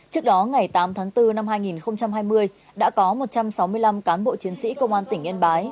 trước đó ngày tám tháng bốn năm hai nghìn hai mươi đã có một trăm sáu mươi năm cán bộ chiến sĩ công an tỉnh yên bái